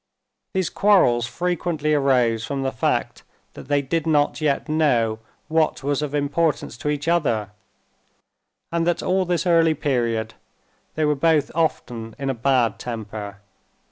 These quarrels frequently arose from the fact that they did not yet know what was of importance to each other and that all this early period they were both often in a bad temper.